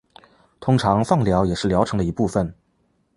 通常放疗也是疗程的一部分。